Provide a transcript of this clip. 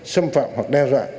xâm phạm hoặc đe dọa